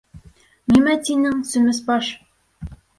— Нимә тинең, сүмес баш?